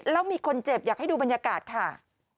แล้วมีคนเจ็บอยากให้ดูบรรยากาศค่ะ